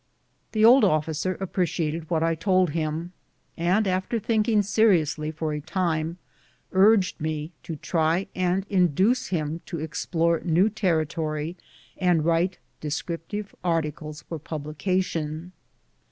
The old officer appreciated what I told him, and after thinking seriously for a time, urged me to try and induce him to explore new territory and write de scriptive articles for publication.